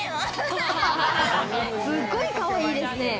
すごいかわいいですね。